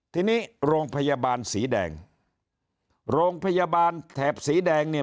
ทีนี้โรงพยาบาลสีแดงโรงพยาบาลแถบสีแดงเนี่ย